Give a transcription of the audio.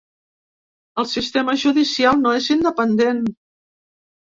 El sistema judicial no és independent